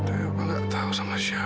tapi aku gak tahu sama siapa